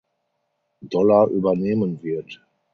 Dollar übernehmen wird.